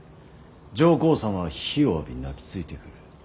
上皇様は非をわび泣きついてくる。